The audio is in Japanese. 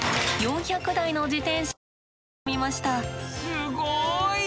すごい！